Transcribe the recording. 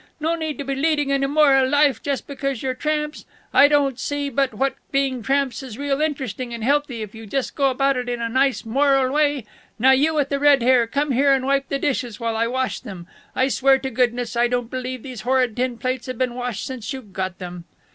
No need to be leading an immoral life jus' because you're tramps. I don't see but what being tramps is real interesting and healthy, if you jus' go about it in a nice moral way. Now you with the red hair, come here and wipe the dishes while I wash them. I swear to goodness I don't believe these horrid tin plates have been washed since you got them."